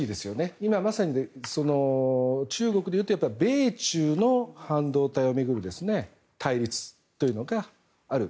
今まさに中国でいうと米中の半導体を巡る対立がある。